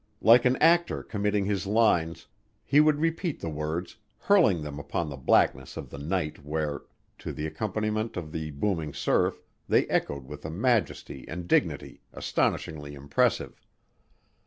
Like an actor committing his lines, he would repeat the words, hurling them upon the blackness of the night where, to the accompaniment of the booming surf, they echoed with a majesty and dignity astonishingly impressive.